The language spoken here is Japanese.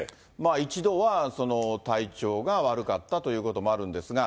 一度は、体調が悪かったということもあるんですが。